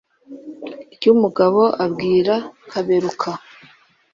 Ryumugabe abwira Kaberuka,